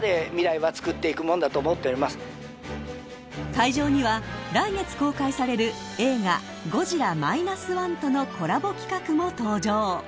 ［会場には来月公開される映画『ゴジラ−１．０』とのコラボ企画も登場］